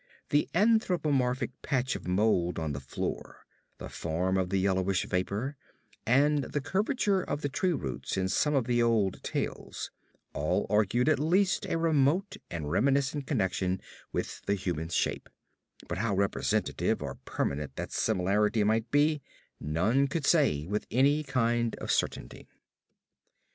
The anthropomorphic patch of mold on the floor, the form of the yellowish vapor, and the curvature of the tree roots in some of the old tales, all argued at least a remote and reminiscent connection with the human shape; but how representative or permanent that similarity might be, none could say with any kind of certainty.